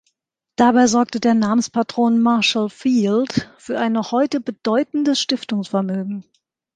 Dabei sorgte der Namenspatron Marshall Field für ein noch heute bedeutendes Stiftungsvermögen.